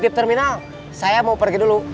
di terminal saya mau pergi dulu